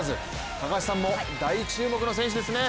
高橋さんも大注目の選手ですね。